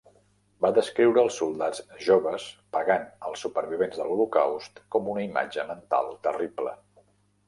Va descriure els soldats joves pegant els supervivents de l'holocaust com una "imatge mental terrible".